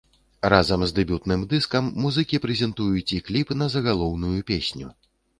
Разам з дэбютным дыскам музыкі прэзентуюць і кліп на загалоўную песню.